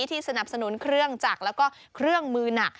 สนับสนุนเครื่องจักรแล้วก็เครื่องมือหนัก